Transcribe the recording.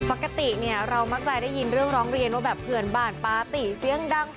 ปกติเนี่ยเรามักจะได้ยินเรื่องร้องเรียนว่าแบบเพื่อนบ้านปาร์ตี้เสียงดัง